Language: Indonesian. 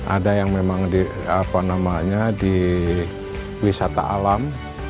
ada yang memang di apa namanya di wisata alam